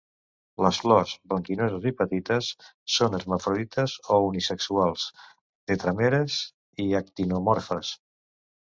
Les flors, blanquinoses i petites, són hermafrodites o unisexuals, tetràmeres i actinomorfes.